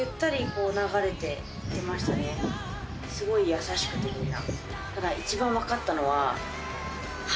すごい優しくてみんな。